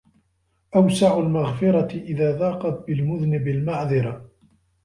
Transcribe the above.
أَوْسَعَ الْمَغْفِرَةَ إذَا ضَاقَتْ بِالْمُذْنِبِ الْمَعْذِرَةُ